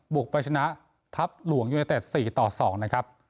บุกไปชนะทัพหลวงยูเนเต็ด๔ต่อ๒นะครับ